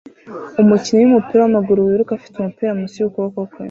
Umukinnyi wumupira wamaguru wiruka afite umupira munsi yukuboko kwe